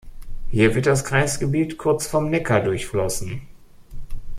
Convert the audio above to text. Hier wird das Kreisgebiet kurz vom Neckar durchflossen.